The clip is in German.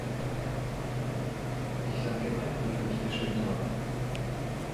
Ich danke allen, die für mich gestimmt haben.